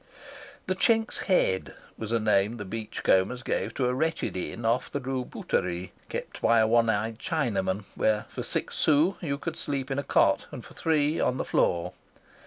The Chink's Head was a name the beach combers gave to a wretched inn off the Rue Bouterie, kept by a one eyed Chinaman, where for six sous you could sleep in a cot and for three on the floor.